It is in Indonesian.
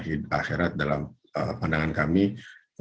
pertanyaannya itu tersampungsi dengan sebahagian dari pemukiman